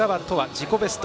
自己ベスト